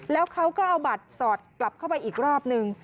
แล้วเขาก็เอาบัตรสอดกลับเข้าไปอีกรอบนึง